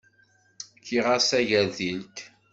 Fkiɣ-as tagertilt.